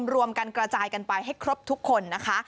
รวมกันกระจายกันไปให้ครบทุกคนนะคะ